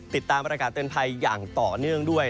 ติดตามประกาศเตือนภัยอย่างต่อเนื่องด้วย